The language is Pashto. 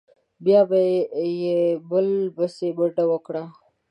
بیا به یې بل بسې منډه وکړه.